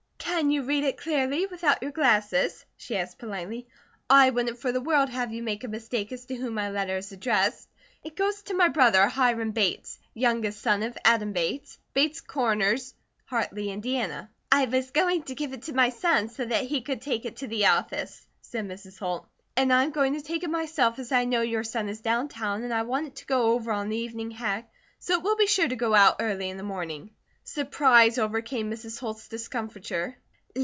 "Can you read it clearly, without your glasses?" she asked politely. "I wouldn't for the world have you make a mistake as to whom my letter is addressed. It goes to my brother Hiram Bates, youngest son of Adam Bates, Bates Corners, Hartley, Indiana." "I was going to give it to my son, so that he could take it to the office," said Mrs. Holt. "And I am going to take it myself, as I know your son is down town and I want it to go over on the evening hack, so it will be sure to go out early in the morning." Surprise overcame Mrs. Holt's discomfiture.